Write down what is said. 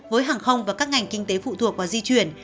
với hàng không và các ngành kinh tế phụ thuộc vào di chuyển